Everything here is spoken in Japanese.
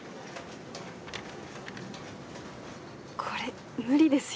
これ無理ですよ。